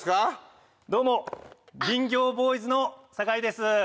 どうも林業ボーイズの酒井です。